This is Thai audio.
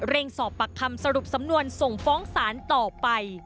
สอบปากคำสรุปสำนวนส่งฟ้องศาลต่อไป